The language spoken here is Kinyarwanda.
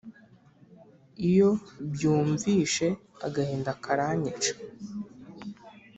Iyo byumvishe agahinda karanyica